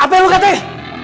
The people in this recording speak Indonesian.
apa yang lu katakan